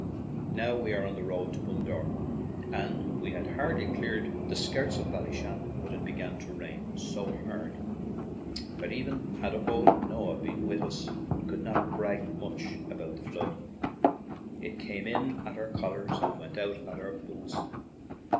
Now we are on the road to Bundoran, and we had hardly cleared the skirts of Ballyshannon before it began to rain so hard that even had old Noah been with us he could not have bragged much about the Flood. It came in at our collars and went out at our boots.